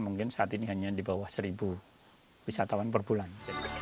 mungkin saat ini hanya di bawah seribu wisatawan per bulan